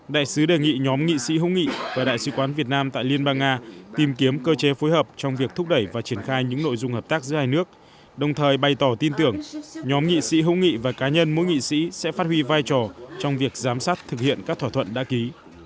đại sứ đề nghị nhóm nghị sĩ hữu nghị và đại sứ quán việt nam tại liên bang nga tìm kiếm cơ chế phối hợp trong việc thúc đẩy và triển khai những nội dung hợp tác giữa hai nước đồng thời bày tỏ tin tưởng nhóm nghị sĩ hữu nghị và cá nhân mỗi nghị sĩ sẽ phát huy vai trò trong việc giám sát thực hiện các thỏa thuận đã ký